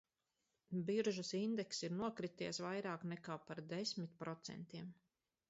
Biržas indekss ir nokrities vairāk nekā par desmit procentiem.